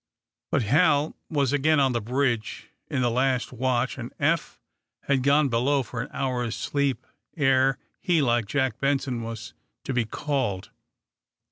But Hal was again on the bridge in the last watch, and Eph had gone below for an hour's sleep ere he, like Jack Benson, was to be called.